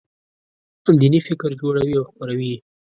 دیني فکر جوړوي او خپروي یې.